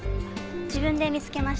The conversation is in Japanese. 自分で見つけました。